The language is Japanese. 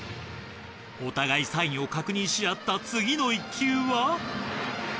お互いサインを確認し合った次の一球は。